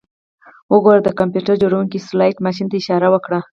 وګوره د کمپیوټر جوړونکي سلاټ ماشین ته اشاره وکړه